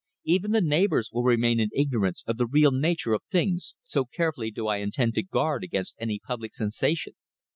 Even the neighbours will remain in ignorance of the real nature of things, so carefully do I intend to guard against any public sensation.